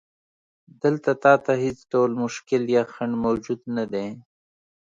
دلته تا ته هیڅ ډول مشکل یا خنډ موجود نه دی.